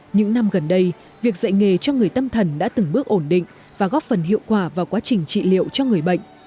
những năm gần đây việc dạy nghề cho người tâm thần đã từng bước ổn định và góp phần hiệu quả vào quá trình trị liệu cho người bệnh